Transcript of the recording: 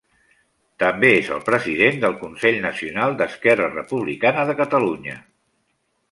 També és el president del consell nacional d'Esquerra Republicana de Catalunya.